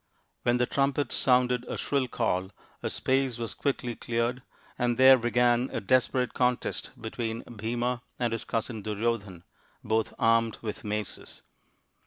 Then the trumpets sounded a shrill call, a space was quickly cleared, and there began a desperate contest between Bhima and his cousin Duryodhan, both armed with maces.